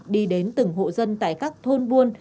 đi đến từng hộ dân tại các thôn buôn